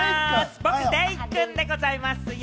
僕、デイくんでございますよ。